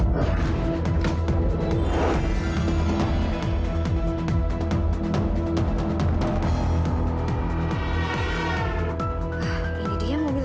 tidak dia sudah kembali